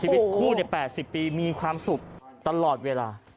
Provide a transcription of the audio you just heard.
ชีวิตคู่๘๐ปีมีความสุขตลอดเวลา